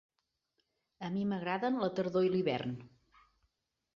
A mi m'agraden la tardor i l'hivern.